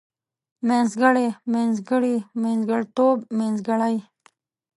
منځګړی منځګړي منځګړيتوب منځګړۍ